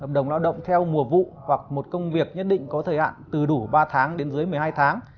hợp đồng lao động theo mùa vụ hoặc một công việc nhất định có thời hạn từ đủ ba tháng đến dưới một mươi hai tháng